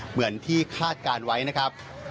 เหมือนที่คาดการณ์ไว้นะครับ